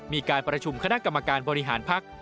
มีการประชุมคณะกำการบริหารพัก